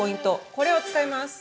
これを使います。